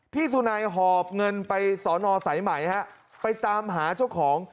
สุนัยหอบเงินไปสอนอสายไหมฮะไปตามหาเจ้าของ